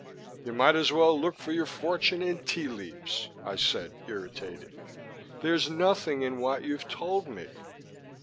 "You might as well look for your fortune in tea leaves," I said, irritated. "There's nothing in what you've told me."